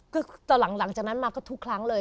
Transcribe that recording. ก็ตอนหลังจากนั้นมาก็ทุกครั้งเลย